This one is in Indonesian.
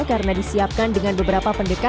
karena disiapkan dengan beberapa pendidikan